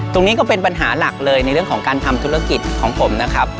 ก็เป็นปัญหาหลักเลยในเรื่องของการทำธุรกิจของผมนะครับ